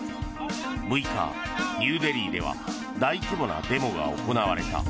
６日、ニューデリーでは大規模なデモが行われた。